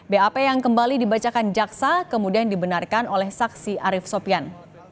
bap yang kembali dibacakan jaksa kemudian dibenarkan oleh saksi arief sopian